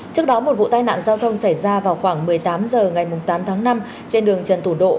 trước đó một vụ tai nạn giao thông xảy ra vào khoảng một mươi tám h ngày tám tháng năm trên đường trần thủ độ